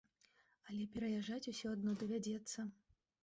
Але пераязджаць усё адно давядзецца.